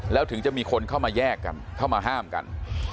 แล้วถึงจะมีคนเข้ามาแยกกันเข้ามาห้ามกัน